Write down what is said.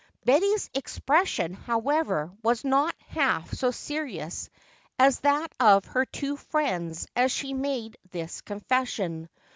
Betty's expression, however, was not half so serious as that of her two friends as she made this confession.